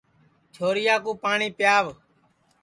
چھورِیا کُو پاٹؔی پِیاوَ